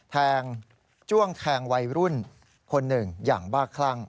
จ้วงแทงวัยรุ่นคนหนึ่งอย่างบ้าคลั่ง